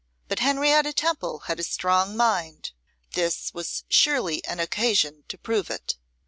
But Henrietta Temple had a strong mind; this was surely an occasion to prove it.